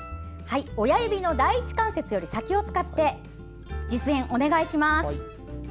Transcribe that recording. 親指の第１関節より先を使って実演お願いします。